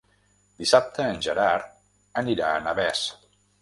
Dissabte en Gerard anirà a Navès.